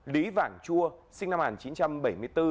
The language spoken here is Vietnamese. lý vàng chua sinh năm một nghìn chín trăm bảy mươi bốn